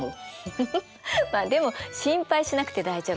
フフフまあでも心配しなくて大丈夫。